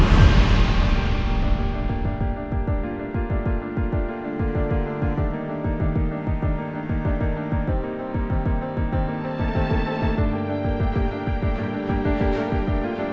terima kasih pak soeharno